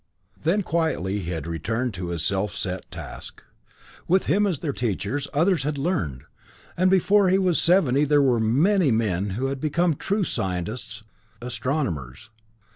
Then quietly he had returned to his self set task. With him as teacher, others had learned, and before he was seventy there were many men who had become true scientists, astronomers.